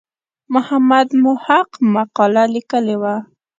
محمد محق مقاله لیکلې وه.